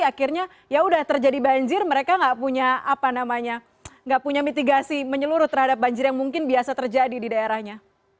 akhirnya ya udah terjadi banjir mereka nggak punya apa namanya nggak punya mitigasi menyeluruh terhadap banjir yang mungkin biasa terjadi di daerahnya